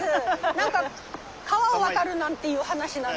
何か川を渡るなんていう話なので。